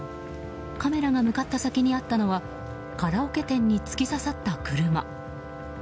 カメラが向かった先にあったのはカラオケ店に突き刺さった車。